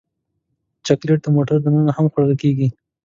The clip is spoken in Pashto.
چاکلېټ د موټر دننه هم خوړل کېږي.